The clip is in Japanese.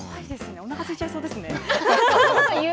おなかすいちゃいそうですね。